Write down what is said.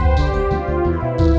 masih di pasar